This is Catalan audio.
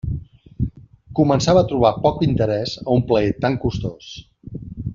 Començava a trobar poc interès a un plaer tan costós.